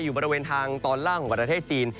อยู่บริเวณทางตอนล่างของประเทศจีน